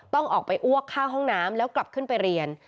ต้องออกไปอ้วกข้างห้องน้ำแล้วกลับขึ้นไปเรียน